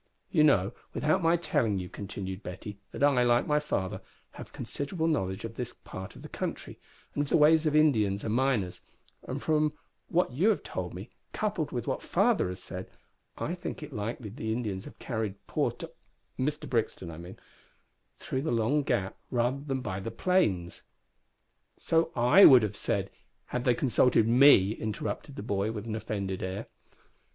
"You know, without my telling you," continued Betty, "that I, like my father, have a considerable knowledge of this part of the country, and of the ways of Indians and miners, and from what you have told me, coupled with what father has said, I think it likely that the Indians have carried poor T Mr Brixton, I mean through the Long Gap rather than by the plains " "So I would have said, had they consulted me," interrupted the boy, with an offended air.